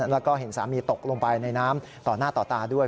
แล้วก็เห็นสามีตกลงไปในน้ำต่อหน้าต่อตาด้วย